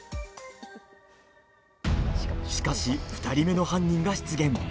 しかし、２人目の犯人が出現。